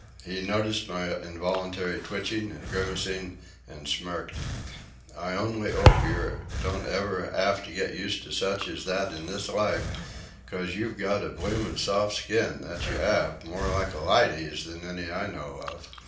He noticed my involuntary twitching and grimacing, and smirked: "I only 'ope yer don't ever 'ave to get used to such as that in this life, 'cos you've got a bloomin' soft skin, that you 'ave, more like a lydy's than any I know of.